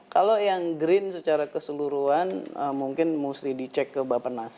kalau yang green secara keseluruhan mungkin mesti dicek ke bapak nas